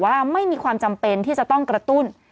ว่าไม่มีความจำเป็นที่จะต้องกระตุ้น